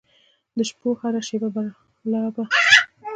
د شپو هره شیبه برالبه